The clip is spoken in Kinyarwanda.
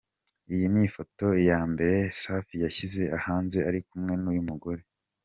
Iyi niyo foto ya mbere Safi yashyize hanze ari kumwe n'uyu mugore .